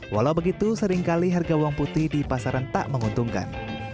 walau begitu seringkali harga bawang putih di pasaran tak menguntungkan